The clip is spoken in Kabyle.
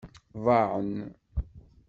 Ḍaɛen.